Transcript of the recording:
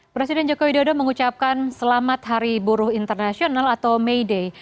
presiden joko widodo mengucapkan selamat hari buruh internasional atau may day